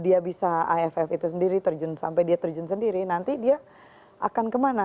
dia bisa iff itu sendiri terjun sampai dia terjun sendiri nanti dia akan kemana